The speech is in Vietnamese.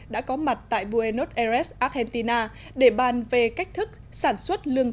đã có mặt tại bộ trưởng nông nghiệp và các đại diện của nhóm g hai mươi